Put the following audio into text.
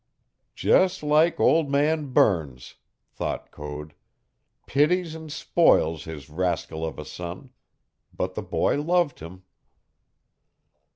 "Just like old man Burns!" thought Code. "Pities and spoils his rascal of a son. But the boy loved him."